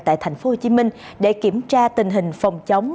tại thành phố hồ chí minh để kiểm tra tình hình phòng chống